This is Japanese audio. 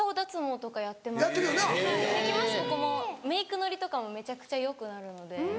メークのりとかもめちゃくちゃよくなるので。